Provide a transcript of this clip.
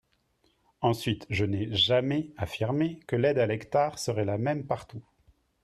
Ensuite, je n’ai jamais affirmé que l’aide à l’hectare serait la même partout.